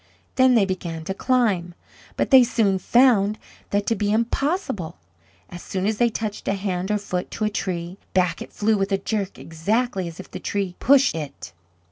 Then they began to climb. But they soon found that to be impossible. As fast as they touched a hand or foot to a tree, back it flew with a jerk exactly as if the tree pushed it.